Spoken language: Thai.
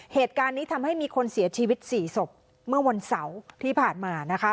เหตุการณ์นี้ทำให้มีคนเสียชีวิต๔ศพเมื่อวันเสาร์ที่ผ่านมานะคะ